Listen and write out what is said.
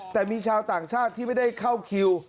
แต่มีชาวต่างชาติที่ไม่ได้เข้าคิว